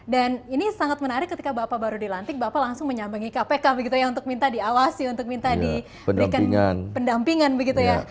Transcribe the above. dan ini sangat menarik ketika bapak baru dilantik bapak langsung menyambangi kpk begitu ya untuk minta diawasi untuk minta diberikan pendampingan begitu ya